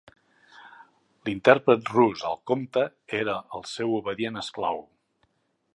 L'intèrpret rus, el Comte, era el seu obedient esclau.